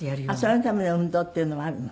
そのための運動っていうのもあるの？